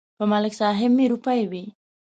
په ملک صاحب مې روپۍ وې.